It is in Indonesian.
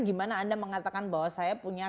gimana anda mengatakan bahwa saya punya